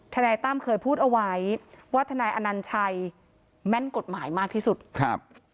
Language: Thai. ทนายตั้มเคยพูดเอาไว้ว่าทนายอนัญชัยแม่นกฎหมายมากที่สุดครับ